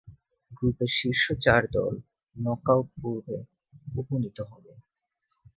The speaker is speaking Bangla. গ্রুপের শীর্ষ চার দল নক-আউট পর্বে উপনীত হবে।